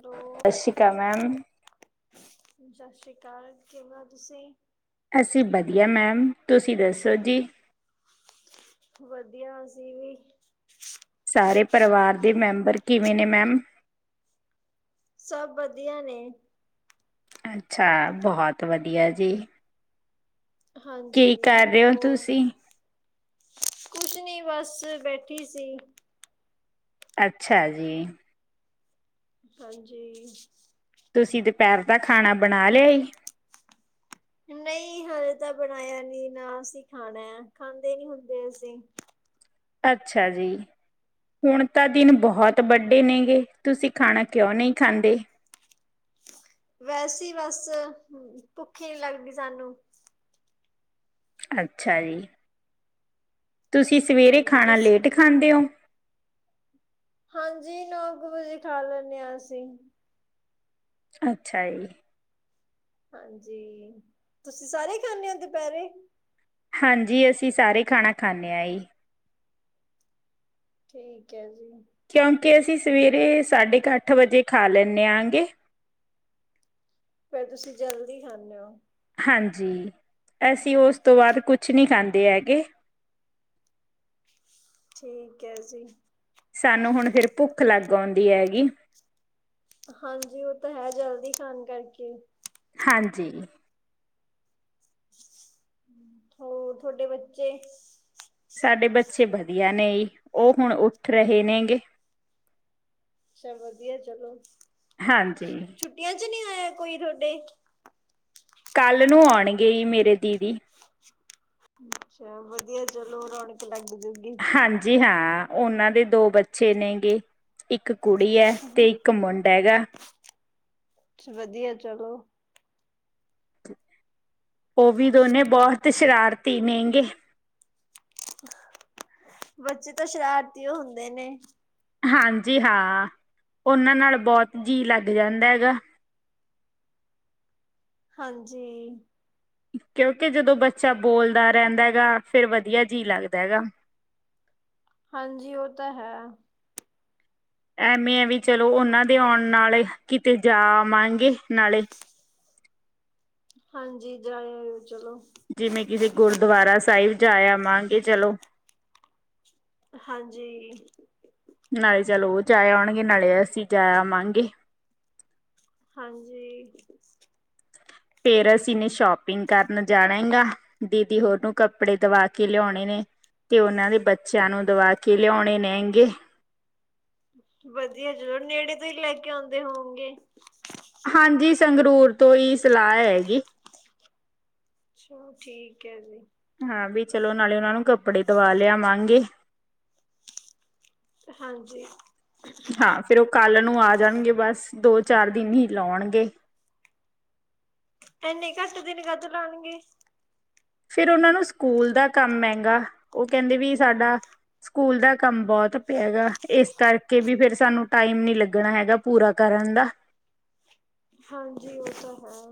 Hello ਸਤਿ ਸ਼੍ਰੀ ਅਕਾਲ ਮੈਮ ਸਤਿ ਸ੍ਰੀ ਅਕਾਲ ਕਿਵੇਂ ਹੋ ਤੁਸੀਂ, ਅਸੀਂ ਵਧੀਆ ਮੈਮ ਤੁਸੀਂ ਦੱਸੋ ਜੀ, ਵਧੀਆ ਅਸੀ ਵੀ, ਸਾਰੇ ਪਰਿਵਾਰ ਦੇ ਮੈਂਬਰ ਕਿਵੇਂ ਨੇ ਮੈਮ, ਸਭ ਵਧੀਆ ਨੇ, ਅੱਛਾ ਬਹੁਤ ਵਧੀਆ ਜੀ, ਕੀ ਹਾਂਜੀ ਕਰ ਰਹੇ ਹੋ ਹੋਰ, ਤੁਸੀਂ ਕੁਛ ਨੀ ਬਸ ਬੈਠੀ ਸੀ, ਅੱਛਾ ਜੀ, ਹਾਂਜੀ, ਤੁਸੀਂ ਦੁਪਹਿਰ ਦਾ ਖਾਣਾ ਬਣਾ ਲਿਆ ਏ ਨਹੀਂ ਹਾਲੇ ਤਾਂ ਬਣਾਇਆ ਨਹੀਂ ਨਾ ਅਸੀਂ ਖਾਣਾ ਆ ਖਾਂਦੇ ਨੀ ਹੁੰਦੇ ਅਸੀਂ ਅੱਛਾ ਜੀ, ਹੁਣ ਤਾਂ ਦਿਨ ਬਹੁਤ ਵੱਡੇ ਨੇ ਗੇ ਤੁਸੀਂ ਖਾਣਾ ਕਿਉਂ ਨਹੀਂ ਖਾਂਦੇ, ਵੈਸੇ ਹੀ ਬਸ ਭੁੱਖ ਹੀ ਨੀ ਲੱਗਦੀ ਸਾਨੂੰ, ਅੱਛਾ ਜੀ, ਤੁਸੀਂ ਸਵੇਰੇ ਹਾਂਜੀ ਖਾਣਾ ਤੁਸੀਂ ਲੇਟ ਖਾਂਦੇ ਹੋ, ਹਾਂਜੀ ਨੌ ਕ ਵਜੇ ਖਾ ਲੈਨੇ ਆ ਅਸੀਂ। ਅੱਛਾ ਈ। ਹਾਂਜੀ ਤੁਸੀਂ ਸਾਰੇ ਖਾਂਣੇ ਓ ਦਪੈਰੇ? ਹਾਂਜੀ ਅਸੀਂ ਸਾਰੇ ਖਾਣਾ ਖਾਂਣੇ ਆ ਯੀ। ਠੀਕ ਐ ਜੀ। ਕਿਉਂਕਿ ਅਸੀਂ ਸਵੇਰੇ ਸਾਢੇ ਕ ਅੱਠ ਵੱਜੇ ਖਾ ਲੈਂਣੇ ਆਂਗੇ। ਫੇਰ ਤੁਸੀਂ ਜਲਦੀ ਖਾਂਨੇ ਓ? ਹਾਂਜੀ ਅਸੀਂ ਉਸ ਤੋਂ ਬਾਦ ਕੁਛ ਨੀ ਖਾਂਦੇ ਹੈਗੇ। ਠੀਕ ਐ ਜੀ। ਸਾਨੂੰ ਹੁਣ ਫੇਰ ਭੁੱਖ ਲਗ ਔਦੀ ਐਗੀ। ਹਾਂਜੀ ਓ ਤਾਂ ਹੈ ਜਲਦੀ ਖਾਣ ਕਰਕੇ। ਹਾਂਜੀ ਹੋਰ ਥੋਡੇ ਬੱਚੇ ਸਾਡੇ ਬੱਚੇ ਬਧੀਆ ਨੇ ਉਹ ਹੁਣ ਉੱਠ ਰਹੇ ਨੇ ਗੇ। ਚਲ ਵਧੀਆ ਚਲੋ। ਹਾਂਜੀ! ਟੁੱਟਿਆ ਚ ਨੀ ਆਯਾ ਕੋਈ ਤੁਹਾਡੇ? ਕੱਲ ਨੂੰ ਓਣਗੇ ਮੇਰੇ ਦੀਦੀ। ਅੱਛਾ ਵਧੀਆ ਚਲੋ ਰੌਣਕ ਲਗ ਜੂਗੀ। ਹਾਂਜੀ ਹਾਂ, ਉਨਾਂ ਦੇ ਦੋ ਬੱਚੇ ਨੇ ਗੇ। ਇਕ ਕੁੜੀ ਐ, ਤੇ ਇਕ ਮੁੰਡ ਹੈਗਾ। ਚ ਵਧਿਐ ਚਲੋ। ਓਵੀ ਦੋਨੇ ਬੋਤ ਸ਼ਰਾਰਤੀ ਨੇਗੇ। ਬੱਚੇ ਤਾਂ ਸ਼ਰਾਰਤੀ ਓ ਹੁੰਦੇ ਨੇ। ਹਾਂਜੀ ਹਾਂ, ਉਨਾਂ ਨਾਲ ਬੋਤ ਜੀਅ ਲਗ ਜਾਂਦਾ ਹੈਗਾ। ਹਾਂਜੀ! ਕਿਉਂਕਿ ਜਦੋਂ ਬੱਚਾ ਬੋਲਦਾ ਰੈਂਹਦਾ ਹੈਗਾ, ਫੇਰ ਵਧੀਆ ਜੀਅ ਲਗਦਾ ਹੈਗਾ। ਹਾਂਜੀ ਓ ਤਾ ਹੈ। ਐਮੇ ਐ ਵੀ ਚਲੋ ਉਨਾਂ ਦੇ ਔਨ ਨਾਲੇ ਕਿਤੇ ਜਾ ਆਵਾਂਗੇ ਨਾਲੇ। ਹਾਂਜੀ ਜਾ ਆਯੋ ਚਲੋ। ਜਿਵੇਂ ਕਿਸੇ ਗੁਰਦਵਾਰਾ ਸਾਇਬ ਜਾ ਯਾਵਾਂਗੇ ਚਲੋ। ਹਾਂਜੀ! ਨਾਲੇ ਚਲੋ ਓ ਜਾਯੇ ਉਣਗੇ, ਨਾਲੇ ਅਸੀ ਜਾਯੇ ਆਵਾਂਗੇ। ਹਾਂਜੀ! ਫੇਰ ਅਸੀ ਨੇ ਸ਼ੋਪਿੰਗ ਕਰਨ ਜਾਣਾ ਈ ਗਾਂ। ਦੀਦੀ ਹੋਰ ਨੂੰ ਕੱਪੜੇ ਦਵਾ ਕੇ ਲਿਓਣੇ ਨੇ। ਤੇ ਓਨਾ ਦੇ ਬੱਚਿਆਂ ਨੂੰ ਦਵਾ ਕੇ ਲਿਓਣੇ ਲੈਹਿਨਗੇ ਵਧੀਐ ਜੋ ਨੇੜੇ ਤੋ ਈ ਲੈ ਕੇ ਓਂਦੇ ਹੋਂਗੇ? ਹਾਂਜੀ ਸੰਗਰੂਰ ਤੋਂ ਈ ਸਿਲਾਏ ਹੈਗੇ। ਚੋਂ ਠੀਕ ਐ ਜੀ। ਹਾਂ ਬੀ ਚਲੋ ਨਾਲੇ ਉਨ੍ਹਾਂਨੂੰ ਕੱਪੜੇ ਦਵਾ ਲਿਆਵਾਂਗੇ। ਹਾਂਜੀ! ਫਿਰ ਓ ਕੱਲ੍ਹ ਨੂੰ ਆ ਜਾਣਗੇ, ਬਸ ਦੋ ਚਾਰ ਦਿਨ ਹੀ ਲੋਂਗੇ। ਐਨੇ ਘੱਟ ਦਿਨ ਕਾਤੋਂ ਲਾਣਗੇ। ਫਿਰ ਉਨ੍ਹਾਂਨੂੰ ਸਕੂਲ ਦਾ ਕੰਮ ਹੈਗਾ। ਓ ਕੈਂਦੇ ਵੀ ਸਾਡਾ ਸਕੂਲ ਦਾ ਕੰਮ ਬੋਤ ਪਿਆ ਹੈਗਾ, ਏਸ ਕਰਕੇ ਵੀ ਫੇਰ ਸਾਨੂੰ ਟਾਈਮ ਨੀ ਲਗਣਾ ਹੈਗਾ। ਪੂਰਾ ਕਰਨ ਦਾ। ਹਾਂਜੀ ਓ ਤਾ ਹੈ।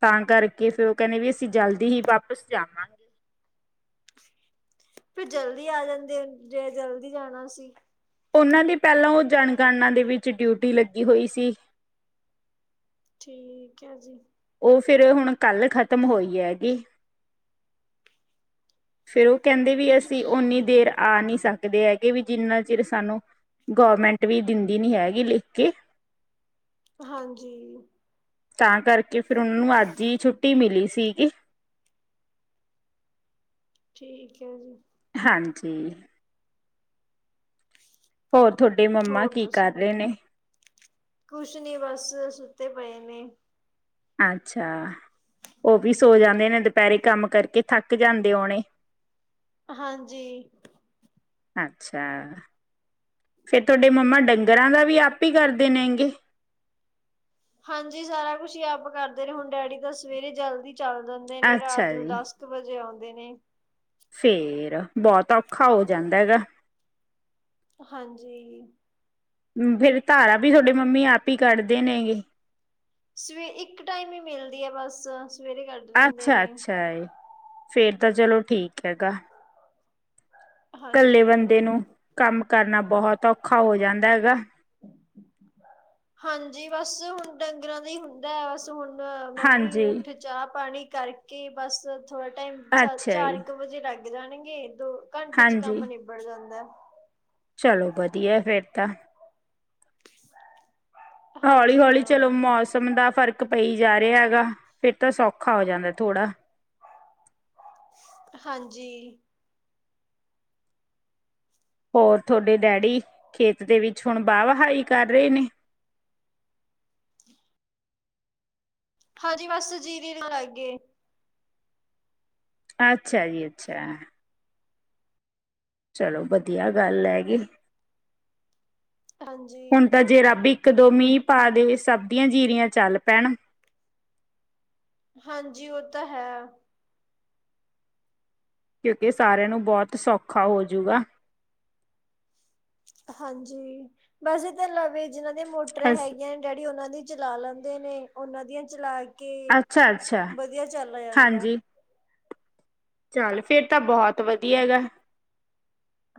ਤਾਂ ਕਰਕੇ ਫੇਰ ਓ ਕੈਹਦੇ, ਵੀ ਅਸੀਂ ਜਲਦੀ ਹੀ ਵਾਪਸ ਜਾਣਾ ਫਿਰ ਜਲਦੀ ਆ ਜਾਂਦੇ, ਜੇ ਜਲਦੀ ਜਾਣਾ ਸੀ। ਉਹਨਾਂ ਦੀ ਪਹਿਲਾਂ ਉਹ ਜਣਗਣਨਾ ਦੇ ਵਿੱਚ ਡਿਊਟੀ ਲੱਗੀ ਹੋਈ ਸੀ ਠੀਕ ਹੈ ਜੀ ਉਹ ਫਿਰ ਹੁਣ ਕੱਲ ਖਤਮ ਹੋਈ ਹੈਗੀ ਫੇਿਰ ਉਹ ਕਹਿੰਦੇ ਵੀ ਅਸੀਂ ਉਓਨੀ ਦੇਰ ਆ ਨਹੀਂ ਸਕਦੇ ਹੈਗੇ, ਵੀ ਜਿੰਨਾ ਚਿਰ ਸਾਨੂੰ ਗਵਰਮੈਂਟ ਵੀ ਦਿੰਦੀ ਨੀ ਹੈਗੀ ਲਿਖ ਕੇ ਹਾਂਜੀ ਤਾਂ ਕਰਕੇ ਫਿਰ ਉਨਾਨੂੰ, ਅੱਜ ਹੀ ਛੁੱਟੀ ਮਿਲੀ ਸੀਗੀ ਠੀਕ ਹੈ ਜੀ ਹਾਂਜੀ ਹੋਰ ਤੁਹਾਡੇ ਮੰਮਾ ਹੋਰ ਕੀ ਦੱਸੋ? ਕਰ ਰਹੇ ਨੇ ਕੁਛ ਨੀ ਬਸ ਸੁੱਤੇ ਪਏ ਨੇ। ਅੱਛਾ। ਓ ਵੀ ਸੋ ਜਾਂਦੇ ਨੇ ਦਪੈਰੇ ਕੰਮ ਕਰਕੇ ਥੱਕ ਜਾਂਦੇ ਹੋਣੇ। ਹਾਂਜੀ। ਅੱਛਾ। ਫਿਰ ਤੁਆਡੇ ਮੰਮਾ ਡੰਗਰਾਂ ਦਾ ਵੀ ਆਪੇ ਹੀ ਕਰਦੇ ਨੇ ਹੈਂਗੇ। ਹਾਂਜੀ ਸਾਰਾ ਕੁਛ ਈ ਆਪ ਕਰਦੇ ਰਹੇ, ਹੁਣ ਡੈਡੀ ਤਾਂ ਸਵੇਰੇ ਜਲਦੀ ਚੱਲ ਜਾਂਦੇ ਨੇ ਰਾਤ ਅੱਛਾ ਨੂੰ ਜੀ ਦੱਸ ਵਜੇ ਆਉਂਦੇ ਨੇ਼। ਫੇਰ ਬੋਤ ਔਖਾ ਹੋ ਜਾਂਦਾ ਹੈਗਾ। ਹਾਂਜੀ। ਫੇਰ ਧਾਰਾ ਵੀ ਤੁਹਾਡੇ ਮੰਮੀ ਆਪ ਹੀ ਕੱਢਦੇ ਨੇਗੇ ਸਵੇ ਇੱਕ ਟਾਈਮ ਈ ਮਿਲਦੀ ਐ‌ ਬਸ ਸਵੇਰੇ ਕਰ ਅੱਛਾ-ਅੱਛਾ ਏ ਫੇਰ ਤਾਂ ਚਲੋ ਠੀਕ ਹੈਗਾ। ਕੱਲੇ ਹਾਂਜੀ। ਬੰਦੇ ਨੂੰ ਕੰਮ ਕਰਨਾ ਬੋਹਤ ਔਖਾ ਹੋ ਜਾਂਦਾ ਹੈਗਾ। ਹਾਂਜੀ ਬਸ ਹੁਣ ਡੰਗਰਾਂ ਦਾ ਈ ਹੁੰਦਾ ਬਸ ਹੁਣ ਮੰਮੀ ਹਾਂਜੀ ਉੱਠ ਚਾ-ਪਾਣੀ ਕਰਕੇ ਬਸ ਥੋੜਾ ਟਾਈਮ ਅੱਛਾ ਜੀ ਚਾਰ ਕੁ ਵਜੇ ਲੱਗ ਜਾਣਗੇ ਦੋ ਘੰਟੇ ਚ ਹਾਂਜੀ ਕੰਮ ਨਿਬੜ ਜਾਂਦਾ। ਚਲੋ ਵਧੀਆ ਫੇਰ ਤਾਂ। [unintelligible] ਹਾਂਜੀ ਹੌਲੀ-ਹੌਲੀ ਚਲੋ ਹਾਂ ਮੌਸਮ ਦਾ ਫਰਕ ਪਈ ਜਾ ਰੇਹਾ ਹੈਗਾ ਫੇਰ ਤਾਂ ਸੌਖਾ ਹੋ ਜਾਂਦਾ ਥੋੜਾ। ਹਾਂਜੀ। ਹੋਰ ਤੁਹਾਡੇ ਡੈਡੀ ਖੇਤ ਦੇ ਵਿੱਚ ਹੁਣ ਬਾਹ ਵਹਾਹੀ ਕਰ ਰਹੇ ਨੇ ਕੀ ਹਾਂਜੀ ਬਸ ਜੀਰੀ ਵੀ ਲਾਗੇ। ਅੱਛਾ ਜੀ ਅੱਛਾ। ਚਲੋ ਵਧੀਆ ਗੱਲ ਹੈਗੀ ਹੁਣ ਹਾਂਜੀ ਤਾਂ ਜੇ ਰੱਬ ਈ ਇੱਕ-ਦੋ ਮੀਂਹ ਪਾ ਦੇ ਸਭ ਦੀਆਂ ਜੀਰੀਆਂ ਚੱਲ ਪੈਣ। ਹਾਂਜੀ ਓ ਤਾਂ ਹੈ। ਕਿਉਂਕਿ ਸਾਰੇਆਂ ਨੂੰ ਬੋਹਤ ਸੌਖਾ ਹੋਜੂਗਾ। ਹਾਂਜੀ ਬਸ ਇਧਰ ਨਵੀ ਜਿਨਾਂ ਦੀ ਮੋਟਰਾਂ ਹੈਗੀਆ ਨ ਡੈਡੀ ਓਨਾਂ ਦੀ ਚਲਾ ਲੈਂਦੇ ਨੇ ਓਨਾਂ ਦੀ ਚਲਾ ਕੇ ਅੱਛਾ-ਅੱਛਾ ਵਧੀਆ ਚੱਲ ਹੋ ਜਾਂਦਾ। ਹਾਂਜੀ ਚੱਲ ਫੇਰ ਤਾਂ ਬੋਹਤ ਵਧੀਆ ਹੈਗਾ।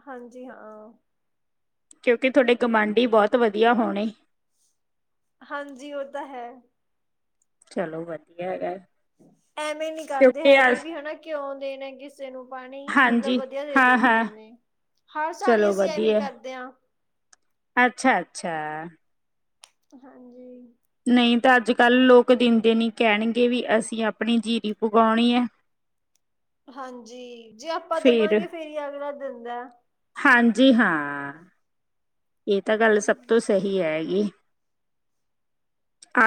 ਹਾਂਜੀ ਹਾਂ। ਕਿਉਂਕਿ ਤੁਆਡੇ ਗੁਵਾਂਢੀ ਬੋਤ ਵਧੀਆ ਹੋਣੇ। ਹਾਂਜੀ ਓ ਤਾਂ ਹੈ। ਚਲੋ ਵਧੀਆ ਹੈਗਾ। ਐਵੇਂ ਨੀ ਕਰਦੇ ਕਿਉਂਕਿ ਹੈਗੇ ਵੀ ਹਨਾ ਕਿਉਂ ਦੇਣਾ ਕਿਸ ਨੂੰ ਪਾਣੀ ਮਤਲਬ ਹਾਂਜੀ ਵਧੀਆ ਦੇ ਹਾਂ-ਹਾਂ ਦਿੰਦੇ ਨੇ ਹਰ ਸਾਲ ਈ ਚਲੋ ਅਸੀਂ ਐਵੇਂ ਵਧੀਆ ਕਰਦੇ ਆ। ਅੱਛਾ-ਅੱਛਾ। ਹਾਂਜੀ। ਨਈ ਤਾਂ ਅੱਜ-ਕੱਲ੍ਹ ਲੋਕ ਦਿੰਦੇ ਨੀ ਕੈਣਗੇ ਵੀ ਅਸੀਂ ਆਪਣੀ ਜੀਰੀ ਪਗੋਣੀ ਐ। ਹਾਂਜੀ ਜੇ ਆਪਾਂ ਦੇਵਾਂਗੇ ਫੇਰ ਈ ਅਗਲਾ ਦਿੰਦਾ। ਹਾਂਜੀ ਹਾਂ ਏ ਤਾਂ ਗੱਲ ਸਭ ਤੋਂ ਸਹੀ ਹੈਗੀ। [unintelligible]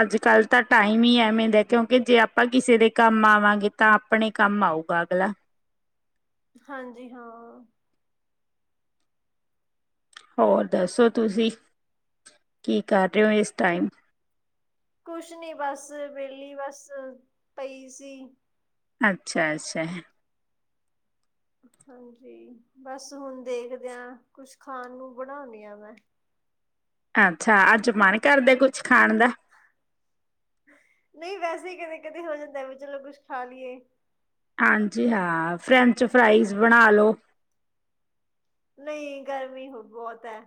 ਅੱਜ-ਕੱਲ ਤਾਂ ਟਾਈਮ ਈ ਐਵੇਂ ਦਾ ਕਿਉਂਕੀ ਜੇ ਆਪਾਂ ਕਿਸੇ ਦੇ ਕੰਮ ਆਵਾਂਗੇ ਤਾਂ ਆਪਣੇ ਕੰਮ ਆਊਗਾ ਅਗਲਾ। ਹਾਂਜੀ ਹਾਂ। ਹੋਰ ਦੱਸੋ ਤੁਸੀਂ ਕੀ ਕਰ ਰਏ ਓ ਇਸ ਟਾਈਮ? ਕੁਛ ਨੀ ਬਸ ਵੇਲੀ ਬਸ, ਪਈ ਸੀ। ਅੱਛਾ-ਅੱਛਾ। ਹਾਂਜੀ ਬਸ ਹੁਣ ਦੇਖਦੇ ਆ ਕੁਛ ਖਾਣ ਨੂੰ ਬਣਾਨੀ ਆ ਮੈਂ। ਆਛਾ ਅੱਜ ਮਨ ਕਰਦੇ ਕੁਛ ਖਾਣ ਦਾ? ਨਈ ਵੈਸੇ ਕਦੇ ਕਦੇ ਹੋ ਜਾਂਦਾ ਵੀ ਚਲੋ ਕੁੱਛ ਖਾ ਲੀਏ। ਹਾਂਜੀ ਹਾਂ ਫਰੈਂਚ ਫਰਾਈਜ਼ ਬਣਾ ਲੋ ਨਈ ਗਰਮੀ ਹੁ ਬੌਤ ਐ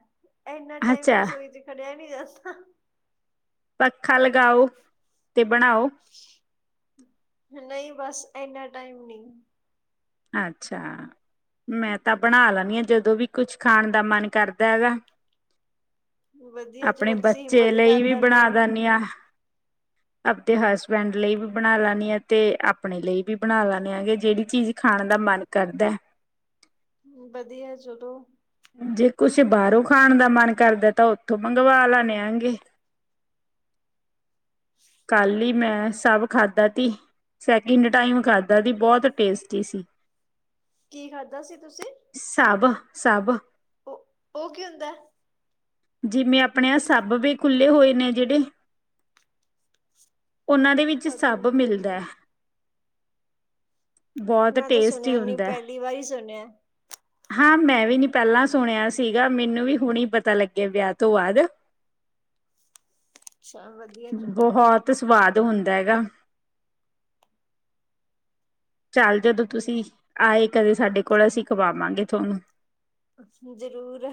ਐਨਾ ਟਾਈਮ ਅੱਛਾ ਰਸੋਈ ਚ ਖੜੇਆ ਨੀ ਜਾਦਾ। ਪੱਖਾ ਲਗਾਓ ਤੇ ਬਣਾਓ। ਨਈ ਬਸ ਐਨਾ ਟਾਈਮ ਨਈ ਅੱਛਾ। ਮੈਂ ਤਾਂ ਬਣਾ ਲੈਣੀ ਆ ਜਦੋਂ ਵੀ ਕੁਛ ਖਾਣ ਦਾ ਮਨ ਕਰਦਾ ਐਗਾ। ਵਧੀਆ ਅਪਣੇ ਚਲੋ ਤੁਸੀਂ ਬੱਚੇ ਹਿੰਮਤ ਲਈ ਕਰ ਵੀ ਲੈਂਦੇ ਬਣਾ ਹੋ ਦੈਨੀ ਆ। ਆਪਦੇ ਹਸਬੈਂਡ ਲਈ ਵੀ ਬਣਾ ਲੈਣੀ ਆ ਤੇ ਅਪਣੇ ਲਈ ਵੀ ਬਣਾ ਲੈਣੇ ਹਗੇ ਜਿਹੜੀ ਚੀਜ਼ ਖਾਣ ਦਾ ਮਨ ਕਰਦੈ। ਵਧੀਆ ਚਲੋ। ਜੇ ਕੁਛ ਬਾਰੋਂ ਖਾਣ ਦਾ ਮਨ ਕਰਦਾ ਤਾਂ ਓਥੋਂ ਮੰਗਵਾ ਲੈਣ ਆਗੇ। [inaudible] ਕੱਲ ਈ ਮੈਂ ਸਭ ਖਾਦਾ ਤੀ ਸੈਕਿੰਡ ਟਾਈਮ ਖਾਦਾ ਸੀ ਬੋਤ ਟੇਸਟੀ ਸੀ। ਕੀ ਖਾਧਾ ਸੀ ਤੁਸੀਂ? ਸਬ-ਸਬ। ਓ-ਓ ਕੀ ਹੁੰਦਾ ਐ? ਜੇਵੇਂ ਆਪਣੇ ਆ ਸੱਭ ਵੀ ਖੁੱਲੇ ਹੋਏ ਨੇ ਜੇੜੇ, ਓਨਾਂ ਦੇ ਵੀ ਚ ਪਤਾ ਸਬ ਨੀ ਮੈਨੂੰ ਮਿਲਦਾ ਐ। ਤਾਂ ਮੈਂ ਤਾਂ ਟੇਸਟੀ ਸੁਣਿਆ ਨੀ ਹੁੰਦਾ ਪੈਲੀ ਵਾਰ ਈ ਸੁਣਿਆ। ਹਾਂ ਮੈਂ ਵੀ ਨੀ ਪੈਂਲਾਂ ਸੁਣਿਆ ਸੀਗਾ ਮੈਨੂੰ ਵੀ ਹੁਣੇ ਪਤਾ ਲ ਗੇ ਵੇਆ ਤੋਂ ਬਾਦ, ਅੱਛਾ ਵਧੀਆ ਚਲੋ ਬਹੋ ਤ ਸਵਾਦ ਹੁੰਦਾ ਹੈਗਾ। [inaudible] ਚੱਲ ਜਦੋਂ ਤੁਸੀਂ, ਆਏ ਕਦੇ ਸਾਡੇ ਕੋਲ ਅਸੀਂ ਖਵਾਵਾਂਗੇ ਤੁਆਨੂੰ। ਜ਼ਰੂਰ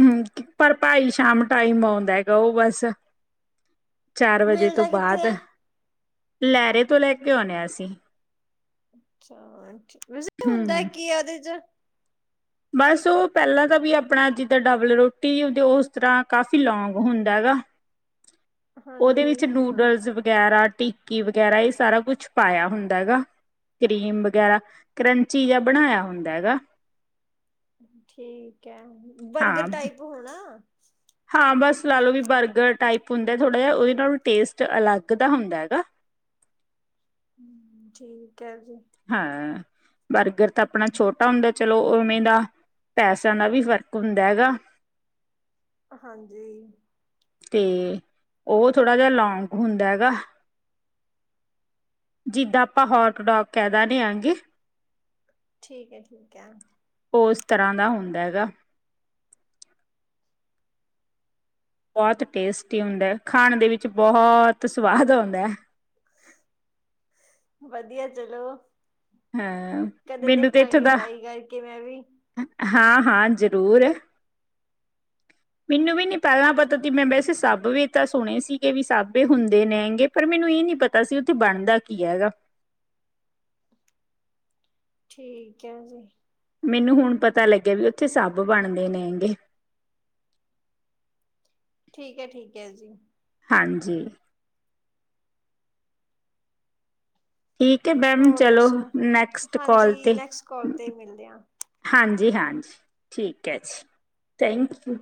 ਹੂੰ ਪਰ ਭਾਈ ਸ਼ਾਮ ਟਾਈਮ ਆਉਂਦਾ ਗਾ ਓ ਬਸ ਚਾਰ ਵਜੇ ਤੋਂ ਮਿਲਦਾ ਕਿੱਥੇ ਬਾਦ, ਹੈ ਲੈਰੇ ਤੋਂ ਲੈ ਕੇ ਆਉਨੇ ਆ ਅਸੀਂ। ਅੱਛਾ ਵੈਸੇ ਹੁੰਦਾ ਹਮ ਕੀ ਆ ਓਦੇ ਚ? ਬਸ ਓ ਪੈਲਾਂ ਤਾਂ ਵੀ ਆਪਣਾ ਜਿੱਦਾਂ ਡਬਲ ਰੋਟੀਦੀ ਉਸ ਤਰ੍ਹਾਂ ਕਾਫ਼ੀ ਲੋਂਂਗ ਹੁੰਦਾ ਹੈਗਾ ਓਦੇ ਹਾਂਜੀ ਵਿੱਚ ਨੂਡਲਸ ਵਗੈਰਾ ਟੀਕੀ ਵਗੈਰਾ ਰੇ ਸਾਰਾ ਕੁਛ ਪਾਇਆ ਹੁੰਦਾ ਹੈਗਾ। ਕਰੀਮ ਵਗੈਰਾ, ਕਰੰਚੀ ਜ ਬਣਾਇਆ ਹੁੰਦਾ ਹੈਗਾ। ਠੀਕ ਐ ਬਰਗਰ ਹਾਂ। ਟਾਈਪ ਹੋਣਾ? ਹਾਂ ਬਸ ਲਾ ਲੋ ਵੀ ਬਰਗਰ ਟਾਈਪ ਹੁੰਦਾ ਥੋੜਾ ਜੇਆ ਓਦੇ ਨਾਲੋਂ ਟੇਸਟ ਅਲੱਗ ਦਾ ਹੁੰਦਾ ਹੈਗਾ। ਹੂੰ, ਠੀਕ ਐ ਜੀ। ਹਾਂ ਬਰਗਰ ਤਾਂ ਆਪਣਾ ਛੋਟਾ ਹੁੰਦਾ ਚਲੋ ਉਵੇਂ ਦਾ ਪੈਸਿਆਂ ਨਾਲ ਵੀ ਫ਼ਰਕ ਹੁੰਦਾ ਹੈਗਾ ਹਾਂਜੀ ਤੇ ਉਹ ਥੋੜਾ ਜਿਹਾ ਲੋਂਂਂਗ ਹੁੰਦਾ ਹੈਗਾ ਜਿੱਦਾਂ ਆਪਾਂ ਹੋਟ ਡੋਕ ਕਹਿ ਦਦੇ ਆਗੇ ਠੀਕ ਹੈ ਠੀਕ ਹੈ ਉਹ ਇਸ ਤਰ੍ਹਾਂ ਦਾ ਹੁੰਦਾ ਹੈਗਾ ਬੋਤ ਟੇਸਟੀ ਹੁੰਦਾ ਖਾਣ ਦੇ ਵਿੱਚ ਬੋਤ ਸਵਾਦ ਆਂਦਾ ਵਧੀਆ ਚਲੋ ਹਾਂ ਕਦੇ ਦੇਖਾਂਗੀ ਟਰਾਈ ਕਰਕੇ ਮੈਂ ਵੀ ਹਾਂ ਹਾਂ ਜ਼ਰੂਰ ਮੈਨੂੰ ਵੀ ਨੀ ਪੈਲਾਂ ਪਤਾ ਤੀ ਮੈਂ ਵੈਸੇ ਸਭ ਵੇ ਸੁਣੇ ਸੀਗੇ ਵੀ ਸਭਵੇ ਹੁੰਦੇ ਨੇ ਹੈਗੇ ਪਰ ਮੈਨੂੰ ਇਹ ਨੀ ਪਤਾ ਸੀ ਉੱਥੇ ਬਣਦਾ ਕੀ ਹੈਗਾ ਠੀਕ ਹੈ ਜੀ ਮੈਨੂੰ ਹੁਣ ਪਤਾ ਲੱਗਿਆ ਵੀ ਉੱਥੇ ਸਬ ਬਣਦੇ ਨੇ ਹੈਂਗੇ ਠੀਕ ਹੈ ਠੀਕ ਹੈ ਜੀ ਹਾਂਜੀ ਠੀਕ ਹੈ ਮੈਮ ਹੋਰ ਚਲੋ ਦੱਸੋ ਨੈਕਸਟ ਕੋਲ ਹਾਂਜੀ 'ਤੇ ਨੈਕਸਟ ਕਾਲ ਤੇ ਮਿਲਦੇ ਹਾਂ ਹਾਂਜੀ ਹਾਂਜੀ ਠੀਕ ਹੈ ਜੀ ਥੈਂਕ ਯੂ